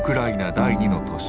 第二の都市